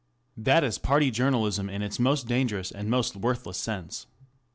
That is party journalism in its most dangerous and most worthless sense.